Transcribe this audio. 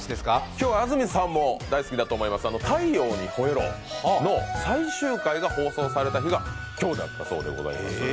今日は安住さんも大好きだと思います、「太陽にほえろ！」の最終回が放送された日が今日だったそうでございます。